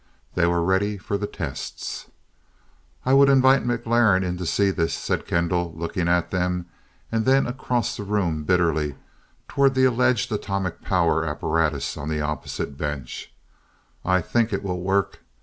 They were ready for the tests. "I would invite McLaurin in to see this," said Kendall looking at them, and then across the room bitterly toward the alleged atomic power apparatus on the opposite bench. "I think it will work.